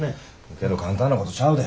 けど簡単なことちゃうで。